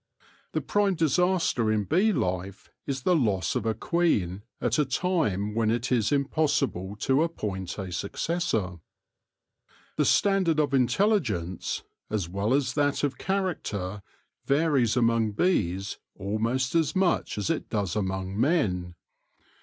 The prime disaster in bee life is the loss of a queen at a time when it is impossible to appoint a successor. The standard of intelligence, as well as that of character, varies among bees almost as much as it does among men.